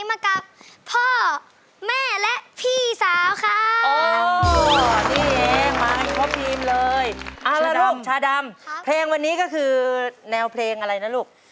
าะละลูกชาดำเพลงวันนี้ก็คือแนวเพลงอะไรนะลูก